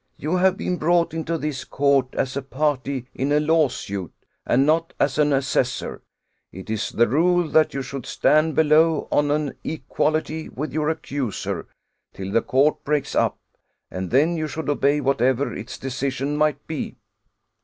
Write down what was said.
You have been brought into this court as a party in a lawsuit and not as an assessor; it is the rule that you should stand below on an equality with your accuser, till the court breaks up, and then you should obey whatever its decision might be."